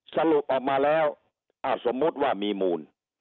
สรุปออกมาแล้วถ้าสมมุติว่ามีมูล